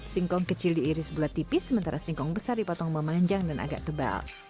singkong kecil diiris bulat tipis sementara singkong besar dipotong memanjang dan agak tebal